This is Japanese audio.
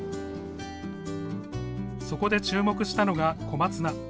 そこで注目したのが小松菜。